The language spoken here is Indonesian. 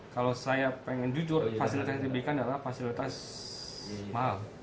kalau saya pengen jujur fasilitas yang diberikan adalah fasilitas mahal